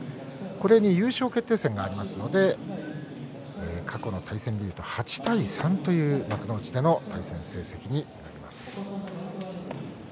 これに優勝決定戦がありますので過去の対戦でいうと８対３という幕内での対戦成績になります。